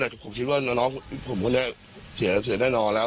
แต่ผมคิดว่าน้องผมคนนี้เสียแน่นอนแล้ว